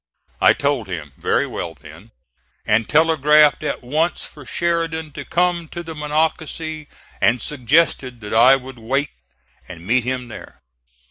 I told him, "very well then," and telegraphed at once for Sheridan to come to the Monocacy, and suggested that I would wait and meet him there.